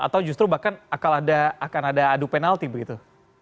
atau justru bahkan akan ada adu penalti begitu